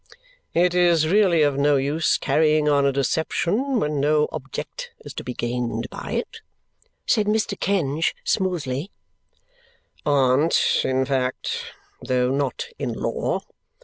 "It is really of no use carrying on a deception when no object is to be gained by it," said Mr. Kenge smoothly, "Aunt in fact, though not in law.